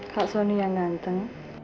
kak soni yang ganteng